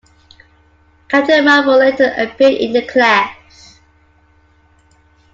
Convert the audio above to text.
Captain Marvel later appeared in The Clash.